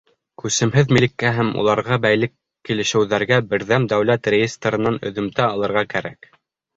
Күсемһеҙ милеккә һәм уларға бәйле килешеүҙәргә Берҙәм дәүләт реестрынан өҙөмтә алырға кәрәк.